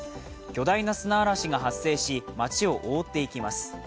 巨大な砂嵐が発生し、町を覆っていきます。